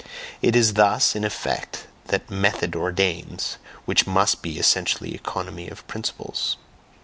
It is thus, in effect, that method ordains, which must be essentially economy of principles.